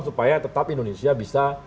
supaya tetap indonesia bisa